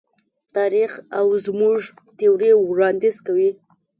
تاریخ او زموږ تیوري وړاندیز کوي.